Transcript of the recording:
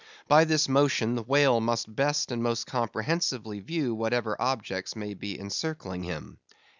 By this motion the whale must best and most comprehensively view whatever objects may be encircling him.